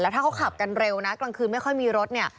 แล้วถ้าเขาขับกันเร็วนะกลางคืนไม่ค่อยมีรถ